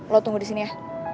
lo tunggu di sini ya